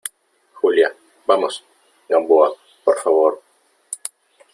Julia , vamos . Gamboa , por favor .